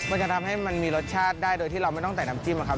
มันจะทำให้มันมีรสชาติได้โดยที่เราไม่ต้องใส่น้ำจิ้มอะครับ